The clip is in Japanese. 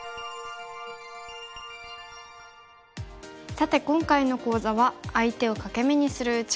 さて今回の講座は相手を欠け眼にする打ち方を学びました。